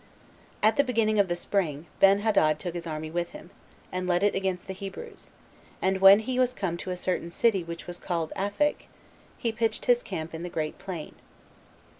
4. At the beginning of the spring, Benhadad took his army with him, and led it against the Hebrews; and when he was come to a certain city which was called Aphek, he pitched his camp in the great plain.